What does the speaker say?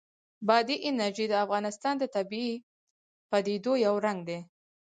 بادي انرژي د افغانستان د طبیعي پدیدو یو رنګ دی.